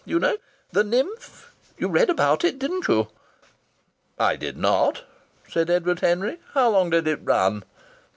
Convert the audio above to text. You know 'The Nymph'? You read about it, didn't you?" "I did not," said Edward Henry. "How long did it run?"